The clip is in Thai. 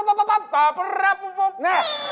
สละพะเผ่น